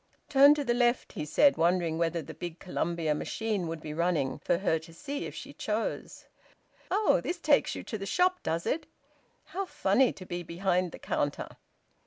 "Turn to the left," he said, wondering whether the big Columbia machine would be running, for her to see if she chose. "Oh! This takes you to the shop, does it? How funny to be behind the counter!"